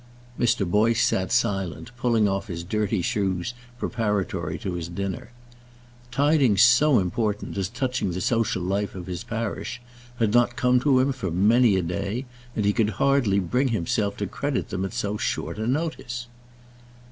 Mr. Boyce sat silent, pulling off his dirty shoes preparatory to his dinner. Tidings so important, as touching the social life of his parish, had not come to him for many a day, and he could hardly bring himself to credit them at so short a notice.